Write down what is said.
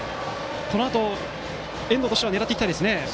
このあと、遠藤としては狙っていきたいですね。